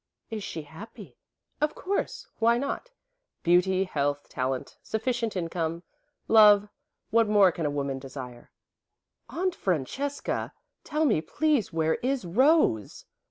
"Is she happy?' "Of course. Why not? Beauty, health, talent, sufficient income, love what more can a woman desire?" "Aunt Francesca! Tell me, please. Where is Rose?"